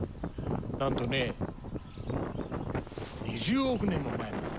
なんとね２０億年も前なんです。